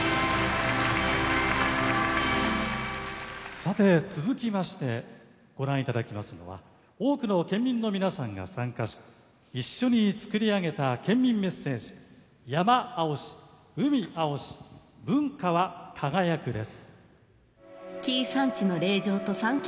さて続きましてご覧頂きますのは多くの県民の皆さんが参加し一緒に作り上げた県民メッセージ「山青し海青し文化は輝く」です。